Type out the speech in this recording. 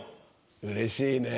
うれしいね。